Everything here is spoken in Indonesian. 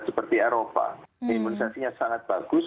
seperti eropa imunisasinya sangat bagus